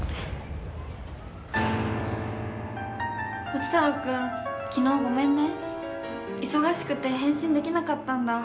ポチ太郎君昨日ごめんね忙しくて返信できなかったんだ。